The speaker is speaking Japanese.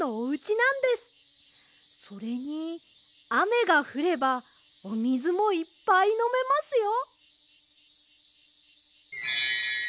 それにあめがふればおみずもいっぱいのめますよ。